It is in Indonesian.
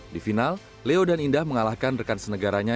di final leo dan indah mengalahkan rekan senegaranya